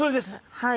はい。